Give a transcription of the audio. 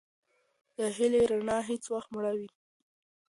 د هیلې رڼا هیڅ وختمه مړوئ.